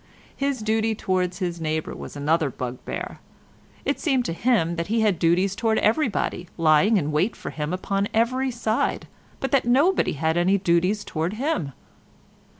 His duty towards his neighbour was another bugbear. It seemed to him that he had duties towards everybody, lying in wait for him upon every side, but that nobody had any duties towards him.